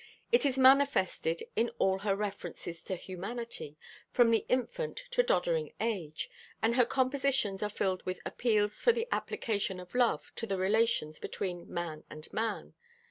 It is manifested in all her references to humanity, from the infant to doddering age; and her compositions are filled with appeals for the application of love to the relations between man and man.